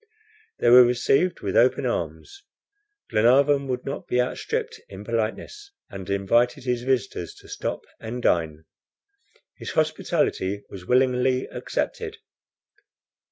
They were received with open arms. Glenarvan would not be outstripped in politeness, and invited his visitors to stop and dine. His hospitality was willingly accepted.